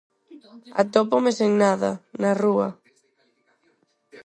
Atópome sen nada, na rúa.